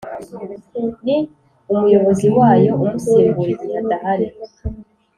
Ni Umuyobozi wayo umusimbura igihe adahari